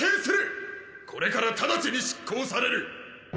これから直ちに執行される。